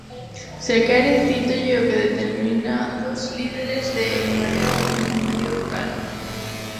Se quere cítolle o que determinados líderes de En Marea opinan do medio rural.